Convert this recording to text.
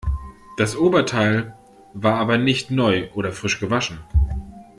Das Oberteil war aber nicht neu oder frisch gewaschen.